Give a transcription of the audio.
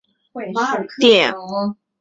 车仔电。